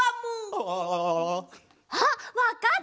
あっわかった！